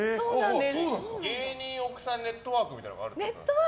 芸人奥さんネットワークみたいなのがあるんですか。